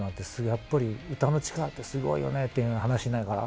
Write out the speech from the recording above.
やっぱり歌の力ってすごいよねって話になるから。